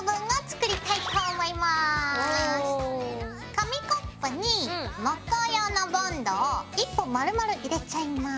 紙コップに木工用のボンドを１本まるまる入れちゃいます。